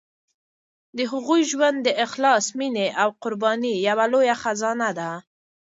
د هغوی ژوند د اخلاص، مینې او قربانۍ یوه لویه خزانه ده.